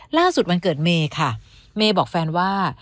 ล่าสุดวันเกิดเมค่ะเมบอกแฟนว่า